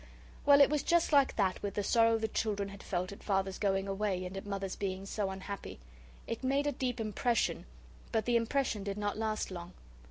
Well, it was just like that with the sorrow the children had felt at Father's going away, and at Mother's being so unhappy. It made a deep impression, but the impression did not last long.